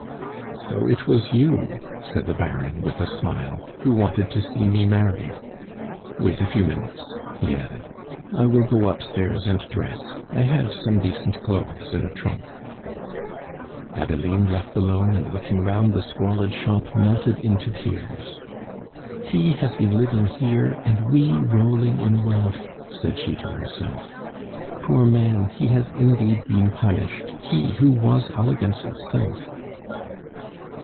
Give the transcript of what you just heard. "So it was you," said the Baron, with a smile, "who wanted to see me married? Wait a few minutes," he added; "I will go upstairs and dress; I have some decent clothes in a trunk." Adeline, left alone, and looking round the squalid shop, melted into tears. "He has been living here, and we rolling in wealth!" said she to herself. "Poor man, he has indeed been punished he who was elegance itself."